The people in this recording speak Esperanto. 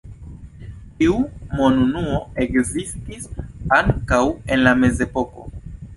Tiu monunuo ekzistis ankaŭ en la Mezepoko.